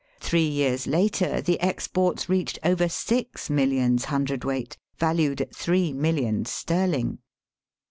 Three years later the exports reached over six millions hundred weight, valued at three millions sterling.